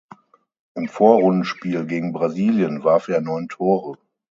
Im Vorrundenspiel gegen Brasilien warf er neun Tore.